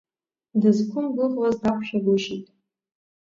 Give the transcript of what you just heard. Дызқәымгәыӷуаз дақәшәагәышьеит.